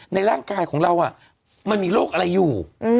ในร่างกายของเรามันมีโรคอะไรอยู่